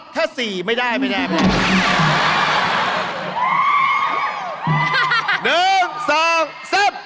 ถ้า๔ไม่ได้ไม่ได้ไม่ได้